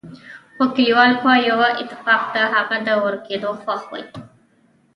خو کليوال په يوه اتفاق د هغه په ورکېدو خوښ ول.